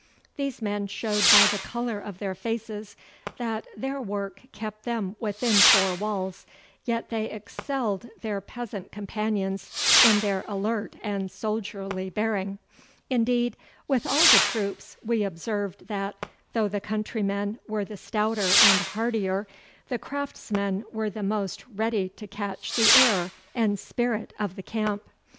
These men showed by the colour of their faces that their work kept them within four walls, yet they excelled their peasant companions in their alert and soldierly bearing. Indeed, with all the troops, we observed that, though the countrymen were the stouter and heartier, the craftsmen were the most ready to catch the air and spirit of the camp.